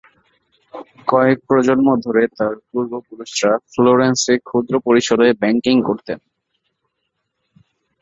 কয়েক প্রজন্ম ধরে তার পূর্বপুরুষরা ফ্লোরেন্সে ক্ষুদ্র পরিসরে ব্যাংকিং করতেন।